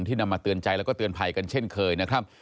นำมาเตือนใจแล้วก็เตือนภัยกันเช่นเคยนะครับ